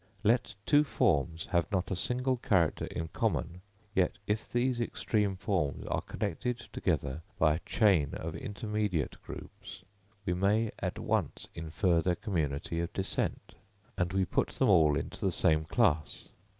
Let two forms have not a single character in common, yet, if these extreme forms are connected together by a chain of intermediate groups, we may at once infer their community of descent, and we put them all into the same class.